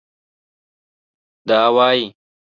دا وايي